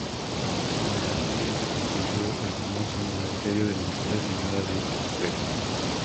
En la Edad Media se construyó el famoso monasterio de Nuestra Señora de Duero.